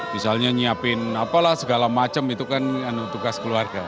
misalnya nyiapin apalah segala macam itu kan tugas keluarga